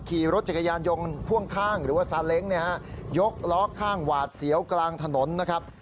ขี่รถจักรยานยนต์พ่วงข้างหรือว่าซาเล้งเนี่ยฮะยกล้อข้างหวาดเสียวกลางถนนนะครับ